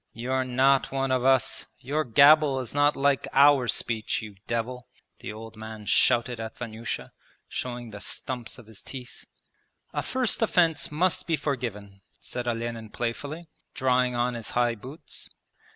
'You're not one of us your gabble is not like our speech, you devil!' the old man shouted at Vanyusha, showing the stumps of his teeth. 'A first offence must be forgiven,' said Olenin playfully, drawing on his high boots.